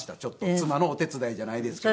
妻のお手伝いじゃないですけども。